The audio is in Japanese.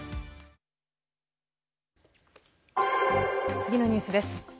次のニュースです。